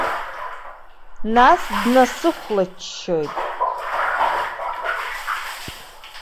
Нас днасыхәлаччоит.